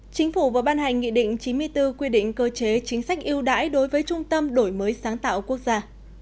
chính phủ vừa ban hành nghị định chín mươi bốn quy định cơ chế chính sách yêu đãi đối với trung tâm đổi mới sáng tạo quốc gia